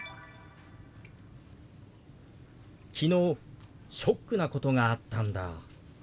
「昨日ショックなことがあったんだ」。